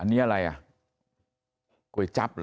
อันนี้อะไรอ่ะก๋วยจั๊บเหรอ